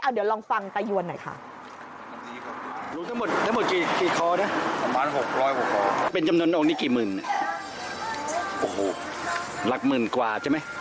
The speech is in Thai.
เดี๋ยวลองฟังตายวนหน่อยค่ะ